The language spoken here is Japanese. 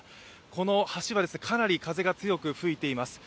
この橋はかなり風が強く吹いています。